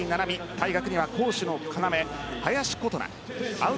対角には攻守の要の林琴奈